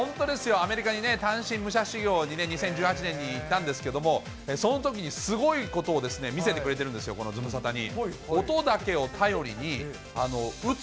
アメリカにね、単身武者修行に２０１８年に行ったんですけれども、そのときにすごいことを見せてくれてるんですよ、このズムサタに。